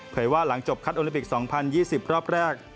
ว่าหลังจบคัดโอลิปิก๒๐๒๐รอบแรก